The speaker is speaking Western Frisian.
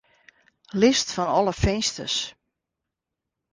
List fan alle finsters.